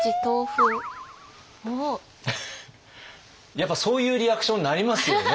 やっぱそういうリアクションになりますよね。